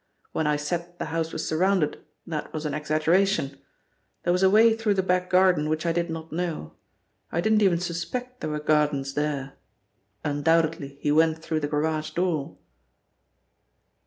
When I said the house was surrounded that was an exaggeration. There was a way through the back garden which I did not know. I didn't even suspect there were gardens there. Undoubtedly he went through the garage door."